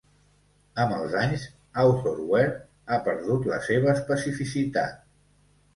Amb els anys, Authorware ha perdut la seva especificitat.